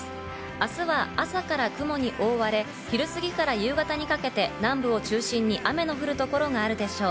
明日は朝から雲に覆われ、昼過ぎから夕方にかけて南部を中心に雨の降る所があるでしょう。